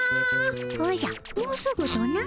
おじゃもうすぐとな？